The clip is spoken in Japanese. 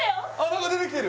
何か出てきてる！